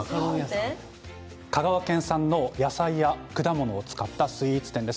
香川県産の野菜と果物を使ったスイーツ店です。